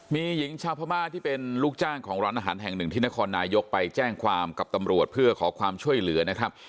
มีหญิงชาวพม่าที่เป็นลูกจ้างของร้านอาหารแห่งหนึ่งที่นครนายกไปแจ้งความกับตำรวจเพื่อขอความช่วยเหลือนะครับ